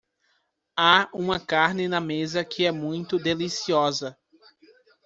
Há uma carne na mesa que é muito deliciosa.